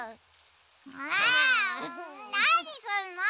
あなにすんの！